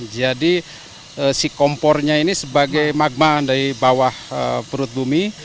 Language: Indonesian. jadi si kompornya ini sebagai magma dari bawah perut bumi